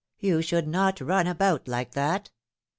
You should not run about like that